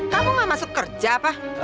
kamu mau masuk kerja apa